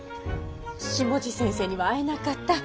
下地先生には会えなかった。